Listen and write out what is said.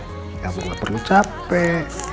kamu nggak perlu capek